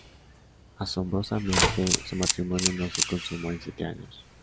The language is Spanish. Asombrosamente, su matrimonio no se consumó en siete años.